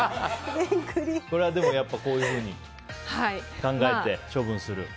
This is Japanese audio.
これはこういうふうに考えて処分する。